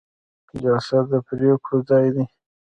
جلسه د پریکړو ځای دی